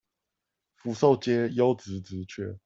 福壽街優質職缺